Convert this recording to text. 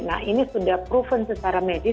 nah ini sudah proven secara medis